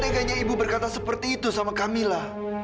tegak tegaknya ibu berkata seperti itu sama kamila